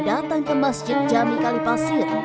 datang ke masjid jami kalipasir